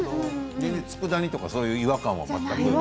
全然つくだ煮とかそういう違和感もないね。